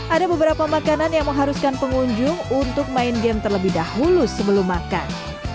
ada beberapa makanan yang mengharuskan pengunjung untuk main game terlebih dahulu sebelum makan